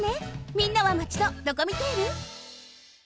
みんなはマチのドコミテール？